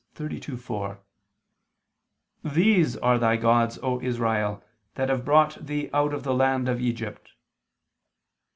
32:4): "These are thy gods, O Israel, that have brought thee out of the land of Egypt."